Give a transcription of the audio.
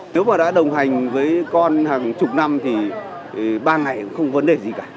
nếu mà đã đồng hành với con hàng chục năm thì ba ngày cũng không vấn đề gì cả